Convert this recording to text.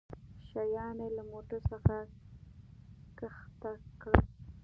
شيان يې له موټرڅخه کښته کړل.